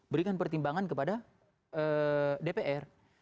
berikan pertimbangan kepada dpr